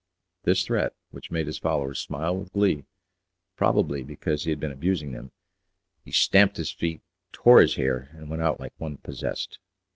At this threat, which made his followers smile with glee, probably because he had been abusing them, he stamped his feet, tore his hair, and went out like one possessed.